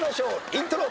イントロ。